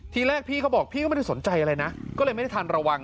ทีแรกพี่เขาบอกพี่ก็ไม่ได้สนใจอะไรนะก็เลยไม่ได้ทันระวัง